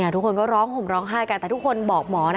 ทุกคนก็ร้องห่มร้องไห้กันแต่ทุกคนบอกหมอ